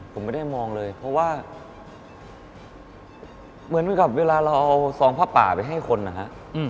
ผมไม่ได้มองเลยเพราะว่าเหมือนกับเวลาเราเอาซองผ้าป่าไปให้คนนะฮะ